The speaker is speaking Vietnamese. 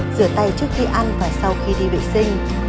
rửa tay trước khi ăn và sau khi đi vệ sinh